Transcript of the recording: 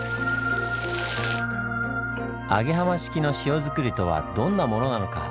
揚浜式の塩作りとはどんなものなのか？